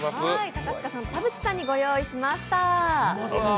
高塚さんと田渕さんにご用意しました。